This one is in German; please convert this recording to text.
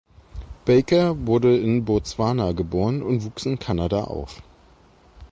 Baker wurde in Botswana geboren und wuchs in Kanada auf.